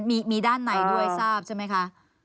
มีด้านในด้วยทราบใช่ไหมคะ